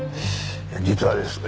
実はですね